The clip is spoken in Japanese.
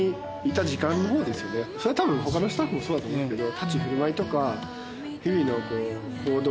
それはたぶん他のスタッフもそうだと思うんですけど。